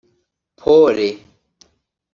“Pole”